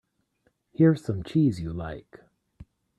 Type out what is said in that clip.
Here's some cheese you like.